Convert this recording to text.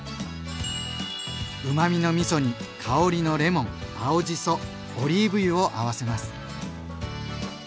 うまみのみそに香りのレモン青じそオリーブ油を合わせます。